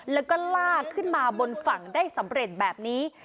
แล้วก็ลากขึ้นมาบนฝั่งได้สำเร็จแบบนี้